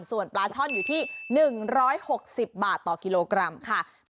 ส่วนปลาช่อนอยู่ที่๑๖๐บาทต่อกิโลกรัมค่ะ